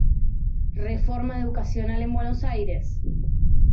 Reforma Educacional en Buenos Aires.